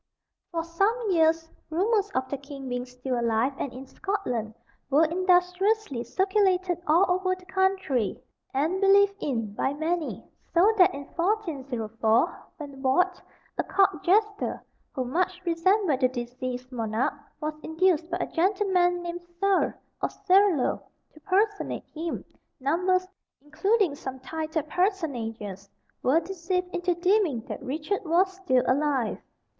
For some years rumours of the king being still alive and in Scotland were industriously circulated all over the country, and believed in by many; so that in 1404, when Warde, a Court jester, who much resembled the deceased monarch, was induced by a gentleman named Serle, or Serlo, to personate him, numbers, including some titled personages, were deceived into deeming that Richard was still alive.